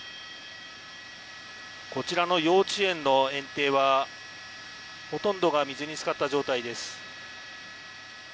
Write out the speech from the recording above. こちらの幼稚園の園庭はほとんどが水につかった状態です。